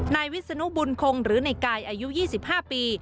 นายวิศนุบุญคงหรือในกายอายุ๒๕ปี